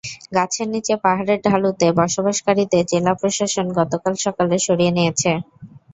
গাছের নিচে পাহাড়ের ঢালুতে বসবাসকারীদের জেলা প্রশাসন গতকাল সকালে সরিয়ে নিয়েছে।